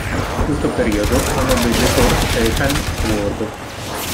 In questo periodo, conobbe il dottor Stephen Ward.